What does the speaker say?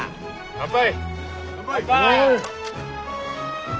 乾杯！